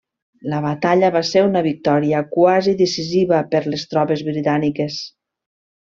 La batalla va ser una victòria quasi decisiva per les tropes britàniques.